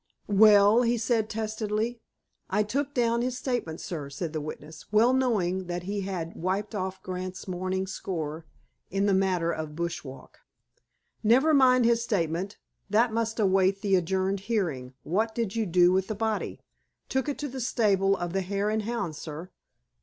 "Well!" he said testily. "I took down his statement, sir," said the witness, well knowing that he had wiped off Grant's morning score in the matter of Bush Walk. "Never mind his statement. That must await the adjourned hearing. What did you do with the body?" "Took it to the stable of the Hare and Hounds, sir."